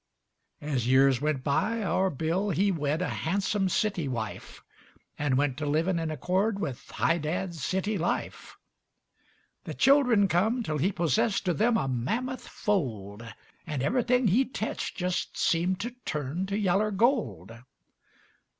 As years went by our Bill he wed A hansum city wife, And went to livin' in accord With high dad city life. The children kum till he possessed O' them a mammoth fold; And ever'thing he teched jest seemed To turn to yaller gold.